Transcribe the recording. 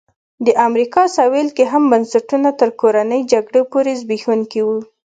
د امریکا سوېل کې هم بنسټونه تر کورنۍ جګړې پورې زبېښونکي وو.